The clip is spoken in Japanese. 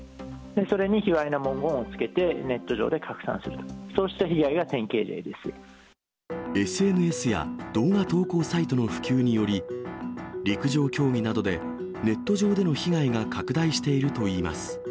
それにひわいな文言をつけてネット上で拡散すると、そうした被害ＳＮＳや動画投稿サイトの普及により、陸上競技などで、ネット上での被害が拡大しているといいます。